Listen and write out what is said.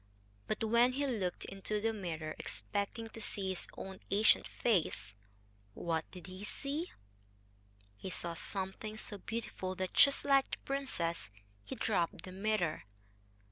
But when he looked into the mirror, expecting to see his own ancient face what did he see? He saw something so beautiful that, just like the princess, he dropped the mirror.